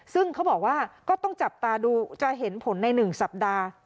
ซึ่งเขาบอกว่าก็ต้องจับตาดูจะเห็นผลใน๑สัปดาห์